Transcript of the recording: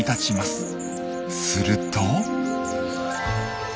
すると。